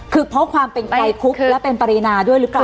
คือเพราะความเป็นใครคุกและเป็นปรินาด้วยหรือเปล่า